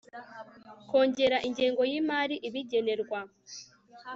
kongera ingengo y'imari ibigenerwa